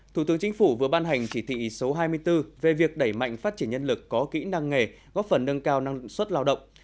thủ tướng chính phủ vừa ban hành chỉ thị số hai mươi bốn về việc đẩy mạnh phát triển nhân lực có kỹ năng nghề góp phần nâng cao năng suất lao động